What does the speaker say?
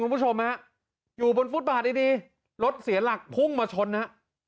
คุณผู้ชมฮะอยู่บนฟุตบาทดีดีรถเสียหลักพุ่งมาชนฮะ